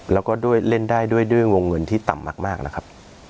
แล้วก็ด้วยเล่นได้ด้วยวงเงินที่ต่ำมากนะครับ